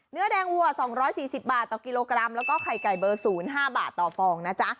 เนื้อแดงวัวสองร้อยสี่สิบบาทต่อกิโลกรัมแล้วก็ไข่ไก่เบอร์ศูนย์ห้าบาทต่อฟองนะจ๊ะ